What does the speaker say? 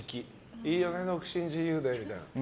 いいよね、独身自由でみたいな。